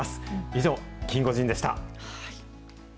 以上、キンゴジンでした。